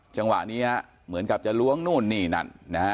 จังหวะนี้เหมือนกับจะล้วงนู้นนี่นัด